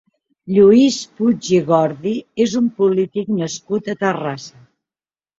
Lluís Puig i Gordi és un polític nascut a Terrassa.